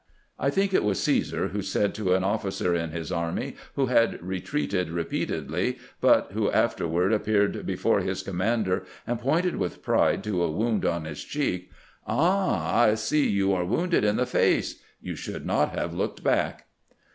I think it was Caesar who said to an officer in his army who had retreated repeat edly, but who afterward appeared before his commander and pointed with pride to a wound on his cheek :' Ah ! I see you are wounded in the face ; you should not have looked back.'"